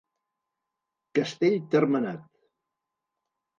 Castell termenat.